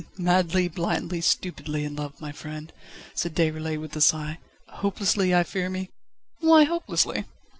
"Madly, blindly, stupidly in love, my friend," said Déroulède with a sigh. "Hopelessly, I fear me!" "Why hopelessly?"